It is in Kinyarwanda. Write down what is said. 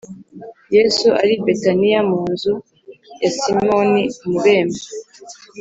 Yesu ari i Betaniya mu nzu ya Simoni umubembe,